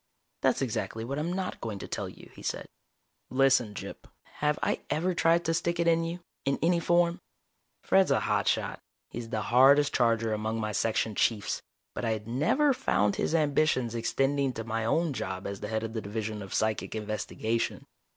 "That's exactly what I'm not going to tell you," he said. "Listen, Gyp, have I ever tried to stick it in you, in any form?" Fred's a hot shot. He's the hardest charger among my Section Chiefs. But I had never found his ambitions extending to my own job as head of the Division of Psychic Investigation.